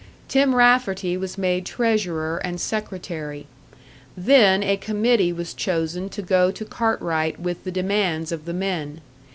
Tim Rafferty was made treasurer and secretary. Then a committee was chosen to go to Cartwright with the demands of the men.